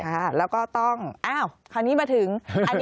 แล้วก็ต้องอ้าวคราวนี้มาถึง